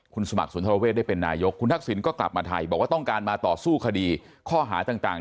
คุณสมัครสุนทรเวทได้เป็นนายกคุณทักษิณก็กลับมาไทยบอกว่าต้องการมาต่อสู้คดีข้อหาต่าง